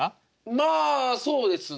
まあそうですね。